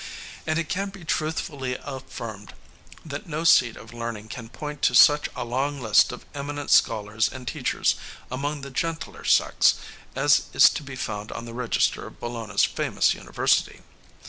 And it can be truthfully affirmed that no seat of learning can point to such a long list of eminent scholars and teachers among the gentler sex as is to be found on the register of Bologna's famous university.